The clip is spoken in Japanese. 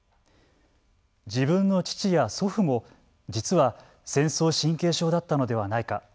自分の父や祖父も、実は戦争神経症だったのではないか。